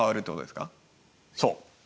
そう。